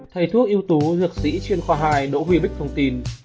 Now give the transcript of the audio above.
thầy thuốc ưu tú dược sĩ chuyên khoa hai đỗ huy bích thông tin